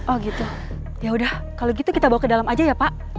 oh gitu yaudah kalau gitu kita bawa ke dalam aja ya pak